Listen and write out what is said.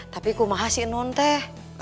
tapi kumahas si enon teh